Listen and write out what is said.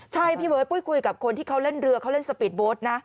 ใช่พี่เบิร์ดปุ้ยคุยกับคนที่เขาเล่นเรือเขาเล่นสปีดโบสต์นะ